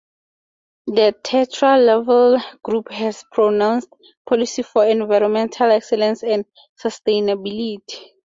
The Tetra Laval Group has a pronounced policy for environmental excellence and sustainability.